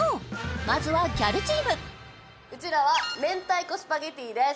まずはギャルチームうちらは明太子スパゲティです